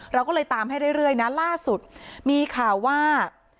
เราก็เลยตามให้เรื่อยนะล่าสุดมีข่าวว่า